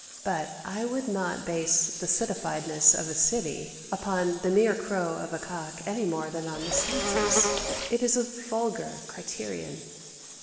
But I would not base the citifiedness of a city upon the mere crow of a cock any more than on the census. It is a vulgar criterion.